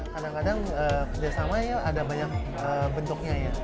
kadang kadang kerjasamanya banyak bentuknya